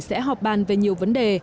sẽ họp bàn về nhiều vấn đề